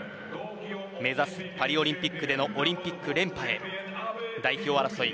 目指すパリオリンピックでのオリンピック連覇へ代表争い